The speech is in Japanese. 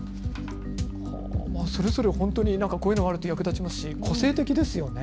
それぞれ本当に、なんかこういうのあると役立ちますし個性的ですよね。